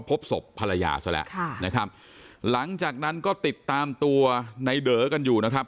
พบศพภรรยาซะแล้วค่ะนะครับหลังจากนั้นก็ติดตามตัวในเดอกันอยู่นะครับ